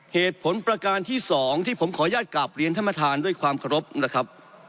เหตุผลประการที่สองที่ผมขออนุญาตกราบเรียนท่านประธานด้วยความเคารพนะครับ